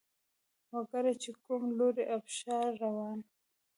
وګوره چې کوم لوری ابشار روان